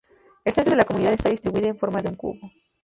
El centro de la comunidad está distribuida en forma de un cubo.